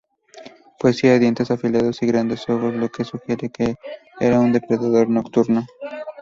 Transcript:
Poseía dientes afilados y grandes ojos, lo que sugiere que era un depredador nocturno.